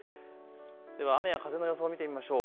では雨や風の予想を見てみましょう。